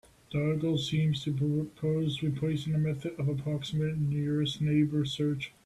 The article seems to propose replacing the method of approximate nearest neighbor search.